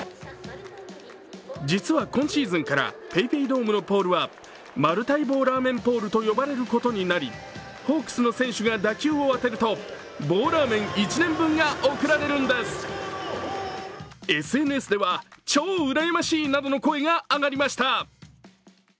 実は今シーズンからＰａｙＰａｙドームのポールはマルタイ棒らーめんポールと呼ばれることになりホークスの選手が打球を当てると棒らーめん１年分が贈られるんですＳＮＳでは、超うらやましいなどの声が上がりました。